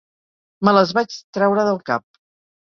Me les vaig traure del cap.